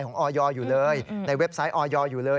ออยอยู่เลยในเว็บไซต์ออยอยู่เลย